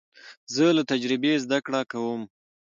زه له تجربې زده کړه کوم.